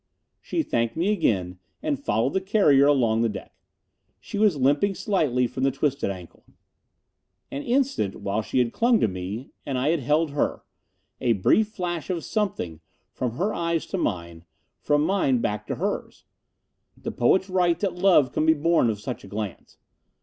She thanked me again and followed the carrier along the deck. She was limping slightly from the twisted ankle. An instant, while she had clung to me and I had held her. A brief flash of something, from her eyes to mine from mine back to hers. The poets write that love can be born of such a glance.